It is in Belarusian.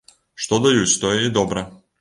Што даюць, тое і добра.